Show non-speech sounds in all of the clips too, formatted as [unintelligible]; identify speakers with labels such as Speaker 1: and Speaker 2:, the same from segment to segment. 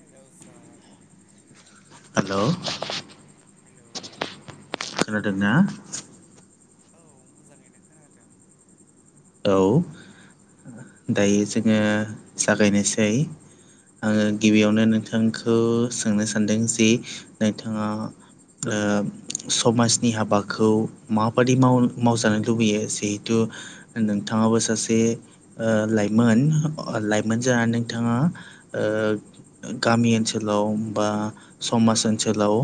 Speaker 1: हेल sir
Speaker 2: हेल'
Speaker 1: [inaudible] hello
Speaker 2: खोनादोंना?
Speaker 1: [inaudible] औ मोजाङैनो खोनादों। [inaudible]
Speaker 2: औ दायो जोङो जागायनोसै। ओ आङो गिबियावनो नोंथांखौ सोंनो सानदों जे नोंथाङा ओ समाजनि हाबाखौ माबादि माव मावजानो लुबैयो जिहेथु नोंथाङाबो सासे ओ लाइमोन लाइमोन ज नोंथाङा ओ गामि ओनसोलाव बा समाज ओनसोलाव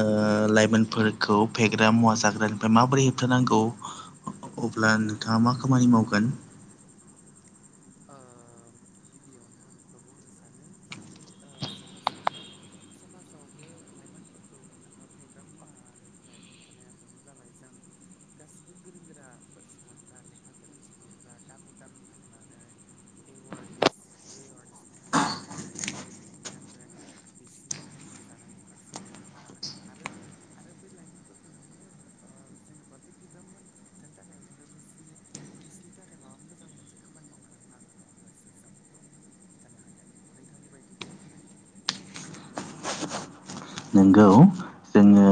Speaker 2: ओ लाइमोनफोरखौ फेग्रा मुवा जाग्रानिफ्राय माबोरै हेबथानांगौ? अब्ला नोंथाङा मा खामानि मावगोन?
Speaker 1: [inaudible] ओ गिबियावनो नो सानो समावहाय समाव बे लाइमोन फोरखौ नोङो फेग्रा मुवानिफ्राय होबथानाया बेनो जाबाय जों गासिबो गोरों गोरा सुबुंफ्रा लेखा गोरों सुबुंफ्रा गामि गामि थांनानै एवार्नेस एवारनेस खुंहैनांगोन मिथिं दावथिं खुंहैनांगोन बिसिोरनि लोंनाय जानायनि फारसे नोङो माबा मोन आरो आरो बै लाइमोनफोरखौ नोङो ओ जेन'बा बे फेग्रा मुवा खथानि थाखाय नोङो बिसोरनि बिसोरनि थाखाय माबा मोजां मोनसे खामानि मावनानै होनांगोन अब्लासो जों बेखौ खौ होबथानो हागोन नोंथांनि बायदिब्ला [unintelligible]
Speaker 2: नोंगौ जोङो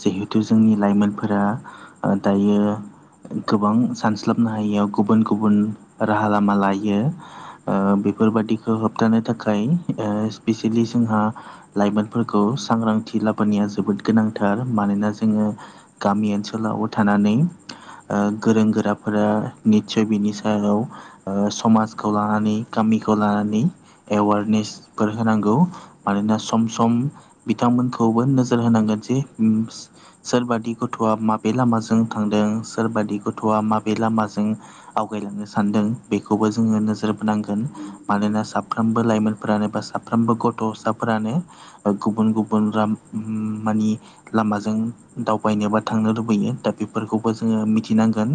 Speaker 2: जिहेतु जों जोंनि लाइमोनफोरा ओ दायो गोबां सानस्लाबनो हायियाव गुबुन गुबुन राहा लामा लायो। ओ बेफोरबादिखौ होबथानो थाखाय स्पिसियेलि जोंहा लाइमोनफोरखौ सांग्रांथि लाबोनाया जोबोद गोनांथार मानोना जोङो गामि ओनसोलावबो थानानै ओ गोरों गोराफोरा निस्सय बिनि सायाव ओ समाजखौ लानानै गामिखौ लानानै एवारनेसफोर होनांगौ मानोना सम सम बिथांमोनखौबो नोजोर होनांगोन जे सोरबादि गथ'आ माबे लामाजों थांदों सोरबादि गथ'आ माबे लामाजों आवगायलांनो सानदों बेखौबो जोङो नोजोर बोनांगोन मानोना साफ्रोमबो लाइमोनफोरानो एबा सा फ्रामबो गथ' साफोरानो गुबुन गुबुन राम मानि लामाजों दावबायनो बा थांनो लुबैयो दा बेफोरखौबो जोङो मिथिनांगोन।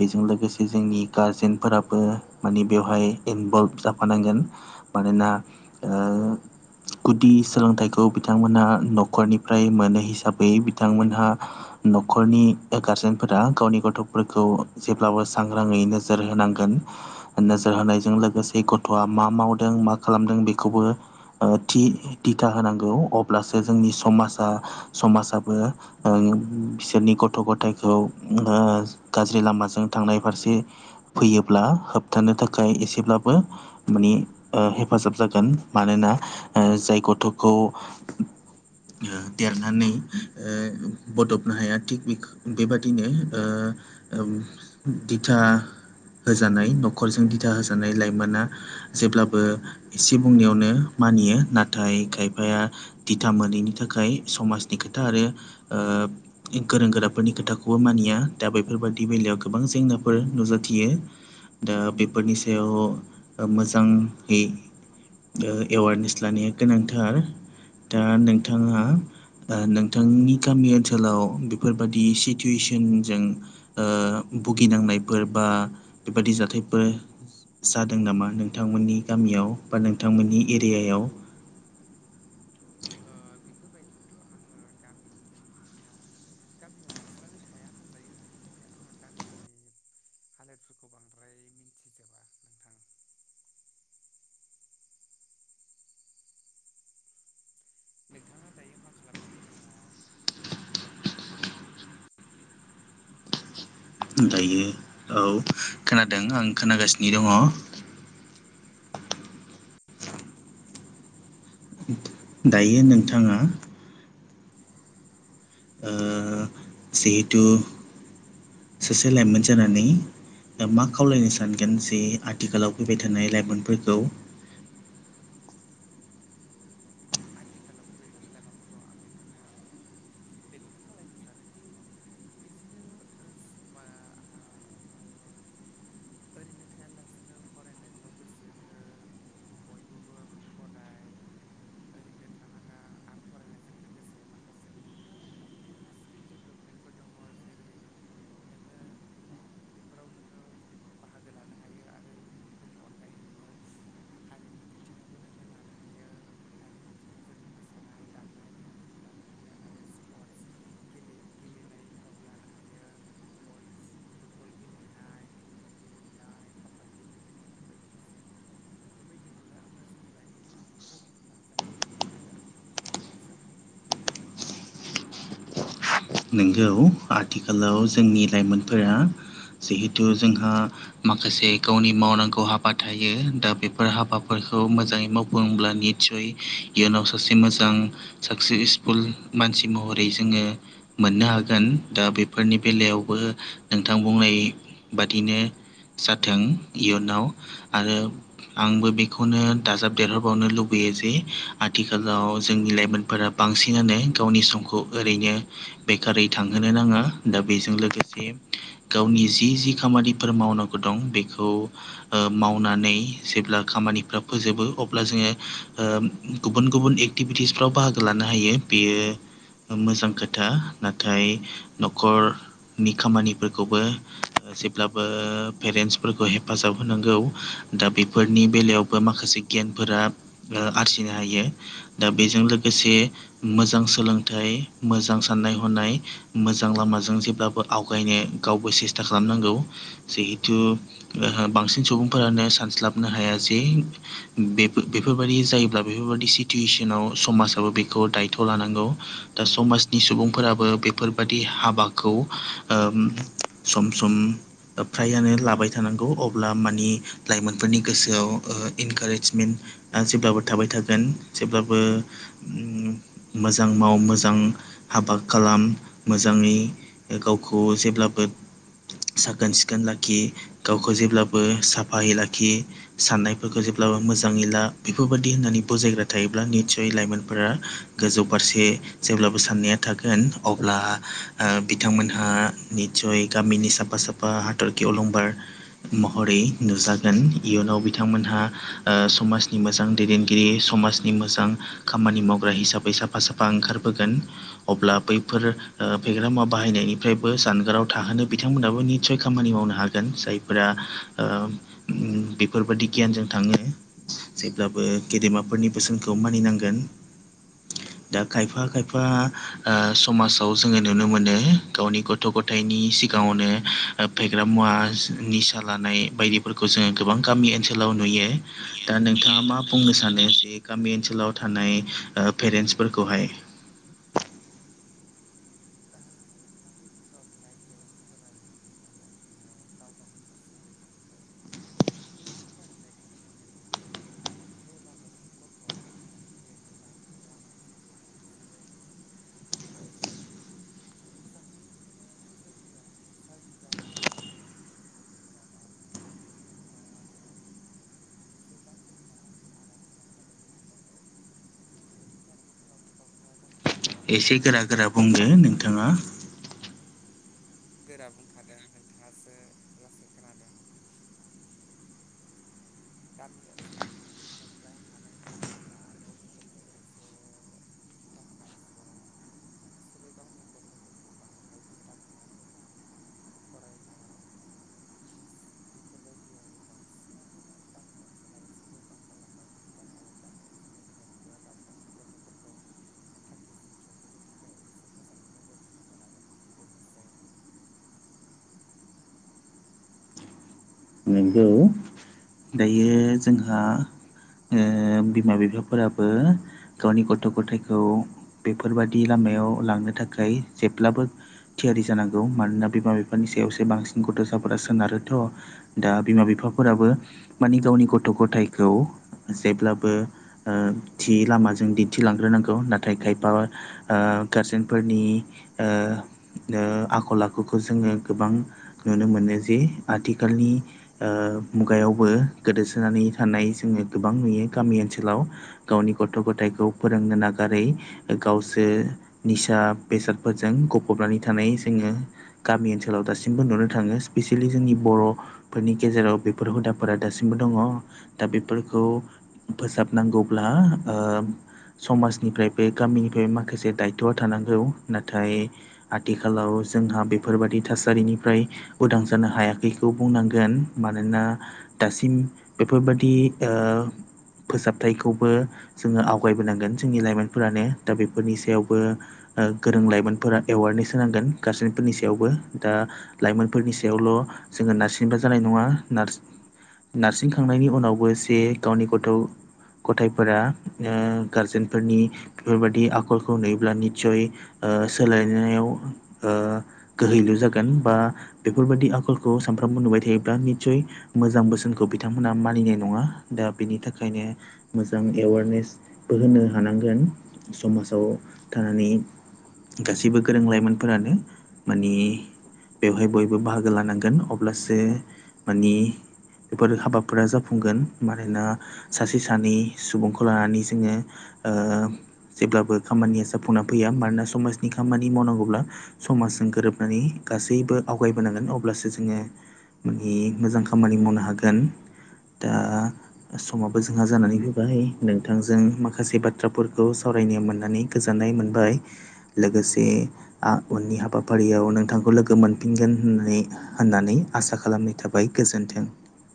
Speaker 2: बेजों लोगोसे जोंनि गारजेनफोराबो माने बेवहाय इनभल्भ जाफानांगोन। मानोना ओ गुदि सोलोंथाइखौ बिथांमोनहा न'खरनिफ्राय मोनो हिसाबै बिथांमोनहा न'खरनि गारजेनफोरा गावनि गथ'फोरखौ जेब्लाबो सांग्राङै नोजोर होनांगोन। नोजोर होनायजों लोगोसे गथ'आ मा मावदों मा खालामदों बेखौबो थि दिथा होनांगौ अब्लासो जोंनि समाजा समाजा बो बिसोरनि गथ' गथाइखौ ओ गाज्रि लामाजों थांनाय फारसे फैयोब्ला होबथानो थाखाय एसेब्लाबो माने हेफाजाब जागोन मानोना जाय गथ'खौ देरनानै ओ बदबनो हाया थिग बेबादिनो ओ दिथा होजानाय न'खरजों दिथा होजानाय लाइमोना जेब्लाबो एसे बुंनायावनो मानियो नाथाय खायफाया दिथा मोनैनि थाखाय समाजनि खोथा आरो ओ गोरों गोराफोरनि खोथाखौबो मानिया दा बैफोरबादि बेलायाव गोबां जेंनाफोर नुजाथियो। दा बेफोरनि सायाव मोजाङै
Speaker 1: [inaudible]
Speaker 2: एवारनेस लानाया गोनांथार दा नोंथाङा नों थांनिनि गामि ओनसोलाव बेफोरबादि सिटुवेसनजों भुगिनांनायफोर बा बेबादि जाथायफोर जादों नामा नोंथांमोननि गामियाव बा नोंथांमोननि एरियायाव
Speaker 1: ओ बेफोरबायदिखौथ' आङो गामियाव गामियाव बांसिनानो थाया होनजायो बिनि थाखाय आङो गामिनि [inaudible] नोंथां नोंथाङा दायो मा खालामनानै दङ? [unintelligible]
Speaker 2: दायो
Speaker 1: खोनादोंना
Speaker 2: औ खोनादों आं खोनागासिनो दङ।
Speaker 1: [inaudible]
Speaker 2: दायो नोंथाङा ओ जिहेथु सासे लाइमोन जानानै ओ मा खावलायनो सानगोन जे आथिखालाव फैबाय थानाय लाइमोनफोरखौ
Speaker 1: [inaudible] आथिखालाव फैबाय थानाय लाइमोनफोरखौ आं बेखौनो बेखौनो खावलायनो सानोदि बिदिनो ओ ओरैनो थायालासिनो फरायनायफ्राव गोसो हो बयखौबो फराय ओरैनो थानाङा आरो फरायनायजों लोगोसे माखासे मेरला। मेरला स्किल डेभलपमेन्टफोर दङ जेरै नो बेफोराव नोङो बाहागो लानो हायो आरो बेफोरनि अनगायै नोङो [unintelligible] हारिमु बिथिङावबो नोङो लानो हायो। हारिमु बिथिङाव जेरै मोसानाय दामनाय देनायफोरखौ गेले-गेलेनायफ्राव लानो हायो बल फुटबल गेलेनाय क्रिकेट गेलेनाय काबादि बेफोरबादिखौनो आङो जोंनि लाइमोनफोरखौ बेफोरबादिखौ ला [unintelligible]
Speaker 2: नोंगौ आथिखालाव जोंनि लाइमोनफोरा जिहेथु जोंहा माखासे गावनि मावनांगौ हाबा थायो दा बेफोर हाबाफोरखौ मोजाङै मावफुंब्लानो निसय इयुनाव सासे मोजां साकसेसफुल मानसि महरै जोङो मोननो हागोन ओ दा बेफोरनि बेलायावबो नोंथां बुंनाय बादिनो जाथों इयुनाव आरो आंबो बेखौनो दाजाब देरहरबावनो लुबैयो जे आथिखालाव जोंनि लाइमोनफोराबो बांसिनानो गावनि समखौ ओरैनो बेकारै थांहोनो नाङा दा बेजों लोगोसे ओ गावनि जि जि खामानिफोर मावनांगौ दं बेखौबो ओ मावनानै जेब्ला खामानिफ्रा फोजोबो अब्ला जोङो ओ गुबुन गुबुन एक्टिभिटिसफ्राव बाहागो लानो हायो बेयो मोजां खोथा। नाथाय नखरनि खामानिफोरखौबो जेब्लाबो पेरेन्टसफोरखौ हेफाजाब होनांगौ दा बेफोरनि बेलायावबो माखासे गियानफोरा ओ आरजिनो हायो। दा बेजों लोगोसे मोजां सोलोंथाइ मोजां साननाय हनायजों हनाय मोजां लामाजों जेब्लाबो आवगायनो गावबो सेस्था खालामनांगौ। जिहेथु ओ बांसिन सुबुंफोरानो सानस्लाबनो हाया जे बे बेफोरबादि जायोब्ला बेफोरबादि सिटुवेसनाव समाजाबो बेखौ दायथ' लानांगौ। दा समाजनि सुबुं ओ फोराबो बेफोरबायदि हाबाखौ ओम सम सम फ्रायानो लाबाय थानांगौ अब्ला माने लाइमोनफोरनि गोसोआव ओ इनकारेजमेन्ट दा जेब्लाबो थाबाय थागोन जेब्लाबो मोजां माव मोजां हाबा खालाम मोजाङै गावखौ जेब्लाबो साखोन सिखोन लाखि गावखौ जेब्लाबो साफायै लाखि। साननायफोरखौ जेब्लाबो मोजाङै ला बेफोरबादि होननानै बुजायग्रा थायोब्ला निसय लाइमोनफोरा गोजौ फारसे जेब्लाबो साननाया थागोन अब्ला ओ बिथांमोनहा निसय गामिनि साफा साफा फा बा हाथरखि अलंबार। महरै नुजागोन इयुनाव बिथांमोनहा ओ समाजनि मोजां दैदेनगिरि समाजनि नि मोजां खामानि मावग्रा हिसाबै साफा साफा ओंखारबोगोन अब्ला बैफोर ओ फेग्रा मुवा बाहायनायनिफ्रायबो जानगाराव थाहोनो बिथांमोनाबो निस्सय खामानि मावनो हागोन जायफोरा ओ ओ बेफोरबायदि गियानजों थाङो जेब्लाबो गेदेमाफोरनि बोसोनखौ मानिनांगोन दा खायफा खायफा ओ समाजाव जोङो नुनो मोनो गावनि गथ' गथाइनि सिगाङावनो ओ फेग्रा मुवा निसा लानाय बायदिफोरखौ जोङो गोबां गामि ओनसोलाव नुयो दा नोंथाङा मा बुंनो सानो जे गामि ओनसोलाव थानाय ओ पेरेन्टसफोरखौहाय
Speaker 1: [inaudible] [inaudible] गामि ओनसोलाव थानाय पेरेन्टसफोरा आथिखालावहाय गाव गावनि फिसाफोरखौ माने दिथा होनायखौबो नुनो थांलिया जे लामाजों गथ'आ आगान होयो बे लामाफोरखौ बिसोरो [unintelligible] [inaudible] मोजाङैखौनो नोजोर होआ जायनि जाहोनाव गामि ओनसोलनि गथ'फोरा दा ओ बेसोर गाज्रि लामाजों आगान होलां हादों बिनि थाखाय बिमा बिफाया गावनि गथ'फोरखौ मोजां जानायनि
Speaker 2: ओ
Speaker 1: थाखाय
Speaker 2: नोंथाङा
Speaker 1: [inaudible] गोरा बुंखादों नोंथाङासो लासै खोनादों [inaudible] गामि ओनसोलनि बिमा बिफाफ्रा मानो होनोब्ला गथ'फोरखौ एसे [unintelligible] बिसोरो गावनि गथ'फोरखौ बांद्राय बिथोनखौनो होला फरायनाय बेफोरबायदियाव बांसिनानो गामि ओनसोलाव एसे लोरबां खालामालांबाय बिनि थाखाय गामि ओनसोलनि बिमा बिफाया गाव गावनि गथ'फोरखौ थांसिम सौहैनो थाखाय एसे मोजाङै नोजोर होनांगोन आरो बेनोसै [inaudible]
Speaker 2: नंगौ दायो जोंहा बिमा बिफाफोराबो गावनि गथ' गथायखौ बेफोरबायदि लामायाव लांनो थाखाय जेब्लाबो थियारि जानांगौ मानोना बिमा बिफानि सायावसो बांसिन गथ'साफोरा सोनारोथ' दा बिमा बिफाफोराबो माने गावनि गथ' गथायखौ जेब्लाबो थि लामाजों दिन्थिलांग्रोनांगौ नाथाय खायफा गारजेनफोरनि आखल आखुखौ जोङो गोबां नुनो मोनो जे आथिखालनि मुगायावबो गोदोसोनानै थानाय जोङो गोबां नुयो गामि ओनसोलाव गावनि गथ' गथायखौ फोरोंनो नागारै गावसो निसा बेसादफोरजों गफबनानै थानाय जोङो गामि ओनसोलाव दासिमबो नुनो थाङो स्पेसियेलि जोंनि बर' फोरनि गेजेराव बेफोर हुदाफोरा दासिमबो दङ दा बेफोरखौ फोसाबनांगौब्ला समाजनिफ्राय बे गामिनिफ्रायबो माखासे दायथ'आ थानांगौ नाथाय आथिखालाव जोंहा बेफोरबादि थासारिनिफ्राय उदां जानो हायाखैखौ बुंनांगौ गोन मानोना दासिम बेफोरबायदि ओ फोसाबथायखौबो जोङो आवगायबोनांगोन जोंनि लाइमोनफोरानो दा बेफोरनि सायावबो गोरों लाइमोनफोरा एवारनेस होनांगोन गारजेनफोरनि सायावबो दा लाइमोनफोरनि सायावल' जोङो नारसिनबा जानाय नङा नारसिन नारसिन खांनायनि उनावबो जे गावनि गथ' गथाइफोरा गारजेनफोरनि बेफोरबायदि आखलखौ नुयोब्ला निटसय सोलायनायाव गोहैलु जागोन बा बेफोरबायदि आखलखौ सानफ्रोम बो नुबाय थायोब्ला निटसय मोजां बोसोनखौ बिथांमोना मानिनाय नङा दा बेनि थाखायनो मोजां एवारनेसबो होनो हानांगोन समाजाव थानानै गासैबो गोरों लाइमोनफोरानो मानि बेवहाय बयबो बाहागो लानांगोन अब्लासो मानि बेफोर हाबाफोरा जाफुंगोन मानोना सासे सानै सुबुंखौ लानानै जोङो ओ जेब्लाबो खामानिया जाफुंना फैया मानोना समाजनि खामानि मावनांगौब्ला समाजजों गोरोबनानै गासैबो आवगायबोनांगोन अब्लासो जोङो मानि मोजां खामानि मावनो हागोन दा समाबो जोंहा जानानै फैबाय नोंथांजों माखासे बाथ्राफोरखौ सावरायनो मोननानै गोजोननाय मोनबाय लोगोसे उननि हाबाफारियाव नोंथांखौ लोगो मोनफिनगोन होननानै होननानै आसा खालामनाय थाबाय गोजोन्थों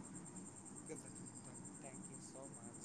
Speaker 1: [inaudible] गोजोनथों नोंथां थेंक इउ स' माच